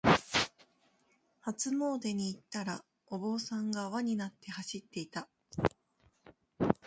初詣に行ったら、お坊さんが輪になって走っていた。